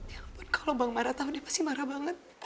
ya ampun kalo bang marah tau dia pasti marah banget